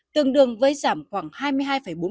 tương đương với giảm khoảng hai mươi hai bốn